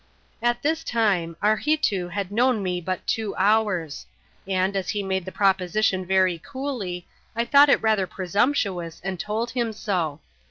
At this time, Arheetoo had known me but two hours ; and, as he made the proposition very coolly, I thought it rather presumptuous, and told him so.